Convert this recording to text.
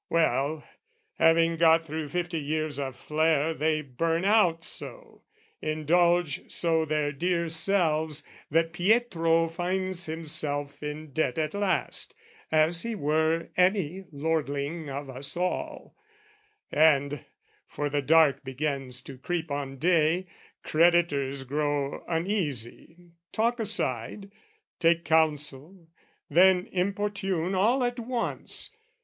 Well, having got through fifty years of flare, They burn out so, indulge so their dear selves, That Pietro finds himself in debt at last, As he were any lordling of us all: And, for the dark begins to creep on day, Creditors grow uneasy, talk aside, Take counsel, then importune all at once.